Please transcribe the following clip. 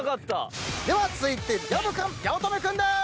では続いて薮君八乙女君です！